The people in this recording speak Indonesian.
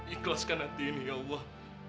ikhlaskan nanti ini ya allah